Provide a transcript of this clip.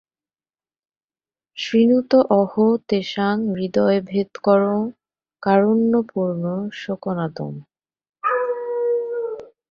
শৃণুত অহো তেষাং হৃদয়ভেদকরং কারুণ্যপূর্ণং শোকনাদম্।